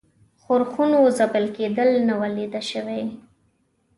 ښورښونو ځپل کېدل نه وه لیده شوي.